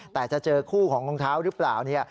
แต่จะเจอคู่ของรองเท้าหรือเปล่าเนี่ย